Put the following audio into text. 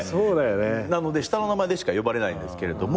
なので下の名前でしか呼ばれないんですけれども。